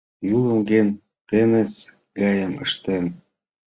Юлым гын, теҥыз гайым ыштен.